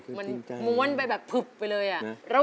ขอบคุณครับ